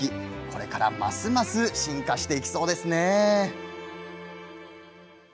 これからますます進化していきそうですね。